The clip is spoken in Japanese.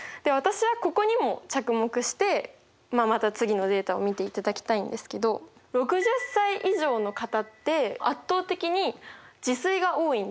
私はここにも着目してまた次のデータを見ていただきたいんですけど６０歳以上の方って圧倒的に自炊が多いんですね。